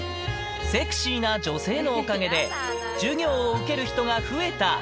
セクシーな女性のおかげで、授業を受ける人が増えた。